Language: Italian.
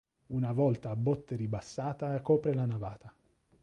Una volta a botte ribassata copre la navata.